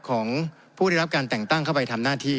ของผู้ได้รับการแต่งตั้งเข้าไปทำหน้าที่